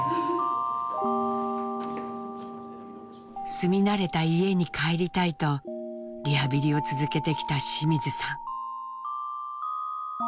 住み慣れた家に帰りたいとリハビリを続けてきた清水さん。